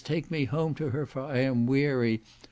take me home to her, for I am weary!